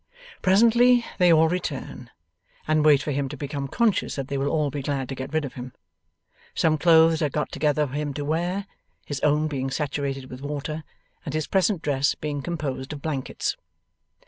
Presently they all return, and wait for him to become conscious that they will all be glad to get rid of him. Some clothes are got together for him to wear, his own being saturated with water, and his present dress being composed of blankets.